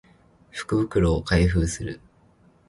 福袋を開封する